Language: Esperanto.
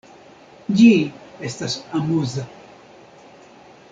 Ĝi estas amuza.